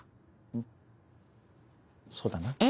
うんそうだな。